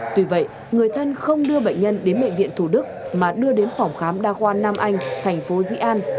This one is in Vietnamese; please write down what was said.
tuy vậy người thân không đưa bệnh nhân đến bệnh viện thủ đức mà đưa đến phòng khám đa khoa nam anh thành phố dĩ an